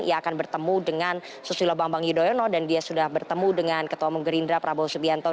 ia akan bertemu dengan susilo bambang yudhoyono dan dia sudah bertemu dengan ketua menggerindra prabowo subianto